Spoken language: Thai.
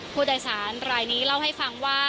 ผู้โดยสารรายนี้เล่าให้ฟังว่า